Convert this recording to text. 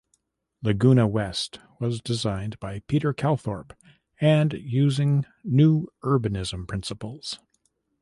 Laguna West was designed by Peter Calthorpe and using New Urbanism principles.